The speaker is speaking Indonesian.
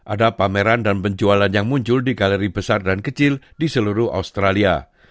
ada pameran dan penjualan yang muncul di galeri besar dan kecil di seluruh australia